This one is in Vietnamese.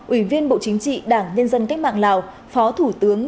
ủy viên bộ chính trị đảng nhân dân cách mạng lào phó thủ tướng